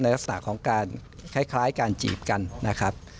ลักษณะของการคล้ายการจีบกันนะครับ